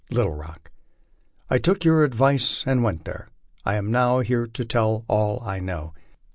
" Little Rock: " I took your advice and went there. I am now here to tell you all I know.